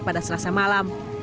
pada selasa malam